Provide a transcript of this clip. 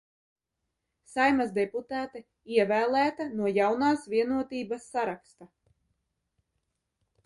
"Saeimas deputāte, ievēlēta no "Jaunās Vienotības" saraksta."